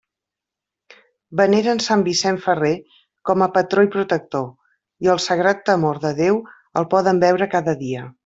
Veneren sant Vicent Ferrer com a patró i protector, i el sagrat temor de Déu el poden veure cada dia.